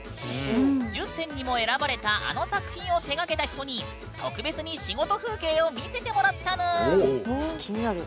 １０選にも選ばれたあの作品を手がけた人に特別に仕事風景を見せてもらったぬん。